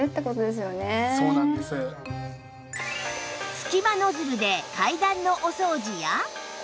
隙間ノズルで階段のお掃除や